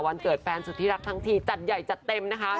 วันเกิดแฟนสุดที่รักทั้งทีจัดใหญ่จัดเต็มนะคะ